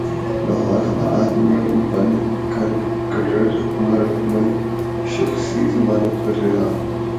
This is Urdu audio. لاہور حوالات مں بند کرکٹر عمر اکمل شخصی ضمانت پر رہا